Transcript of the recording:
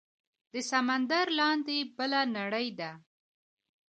د سمندر لاندې بله نړۍ ده